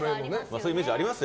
そういうイメージあります？